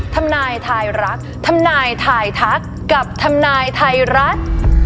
ธำนายไทยรัฐธำนายไททักกับธำนายไทรัฐ